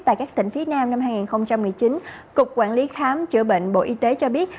tại các tỉnh phía nam năm hai nghìn một mươi chín cục quản lý khám chữa bệnh bộ y tế cho biết